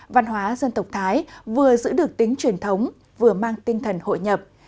văn hóa dân tộc thái vừa giữ được tính truyền thống vừa mang tinh thần hội nhập